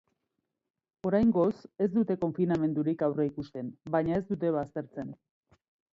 Oraingoz, ez dute konfinamendurik aurreikusten, baina ez dute baztertzen.